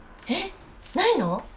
えっないの？